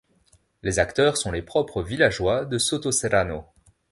Les acteurs sont les propres villageois de Sotoserrano.